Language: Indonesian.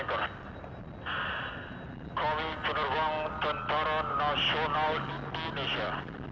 kami penerbang tentara nasional indonesia